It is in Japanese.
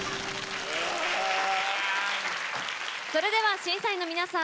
それでは審査員の皆さん